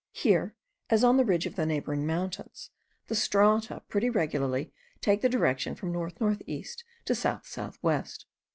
Here, as on the ridge of the neighbouring mountains, the strata pretty regularly take the direction from north north east to south south west.